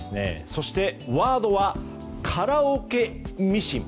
そしてワードはカラオケミシン。